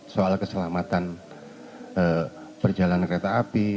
soal keselamatan perjalanan kereta api